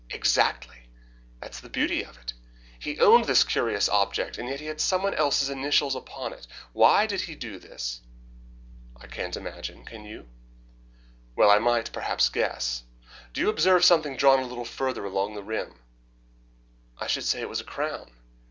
"Exactly! That's the beauty of it. He owned this curious object, and yet he had someone else's initials upon it. Why did he do this?" "I can't imagine; can you?" "Well, I might, perhaps, guess. Do you observe something drawn a little farther along the rim?" "I should say it was a crown."